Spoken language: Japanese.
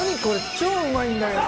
超うまいんだけど！